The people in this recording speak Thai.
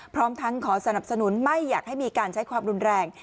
พร้อมทั้งขอสนับสนุนไม่อยากให้มีการใช้ความรุนแรง